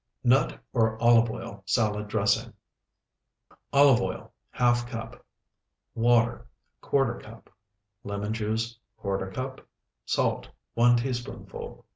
NUT OR OLIVE OIL SALAD DRESSING Olive oil, ½ cup. Water, ¼ cup. Lemon juice, ¼ cup. Salt, 1 teaspoonful.